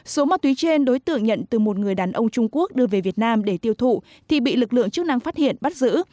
số ma túy trên đối tượng nhận từ một người đàn ông trung quốc đưa về việt nam để tiêu thụ thì bị lực lượng chức năng phát hiện bắt giữ